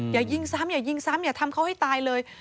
อย่ายิงซ้ำอย่ายิงซ้ำอย่าทำเขาให้ตายเลย